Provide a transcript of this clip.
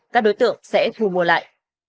các đối tượng sẽ thu mua lại